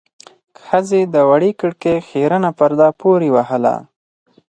ښځې د وړې کړکۍ خيرنه پرده پورې وهله.